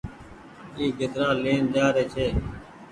اي گيدرآ لين جآ رئي ڇي۔